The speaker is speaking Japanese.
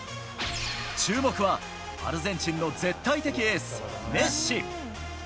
注目はアルゼンチンの絶対的エース、メッシ。